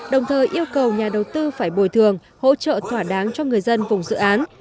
đồng thời yêu cầu nhà đầu tư phải bồi thường hỗ trợ thỏa đáng cho người dân vùng dự án